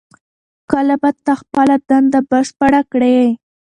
کله به ته خپله دنده بشپړه کړې؟